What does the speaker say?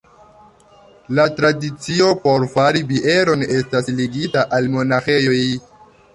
La tradicio por fari bieron estas ligita al monaĥejoj.